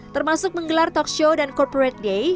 termasuk menggelar talkshow dan corporate day